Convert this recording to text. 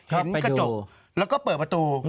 เห็นกระจกแล้วก็เปิดประตู